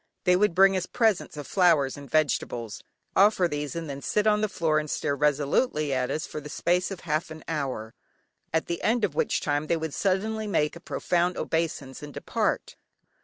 They would bring us presents of flowers and vegetables, offer these, and then sit on the floor and stare resolutely at us for the space of half an hour, at the end of which time they would suddenly make a profound obeisance and depart.